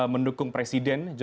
mendukung presiden joko widodo